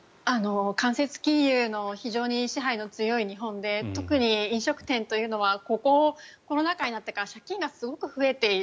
金融の非常に支配の強い日本で特に飲食店というのはコロナ禍になってから借金がすごく増えている。